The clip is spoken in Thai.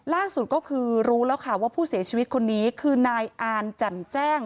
ล่าสุดก็คือรู้แล้วค่ะว่าผู้เสียชีวิตคนนี้คือนายอานแจ่มแจ้ง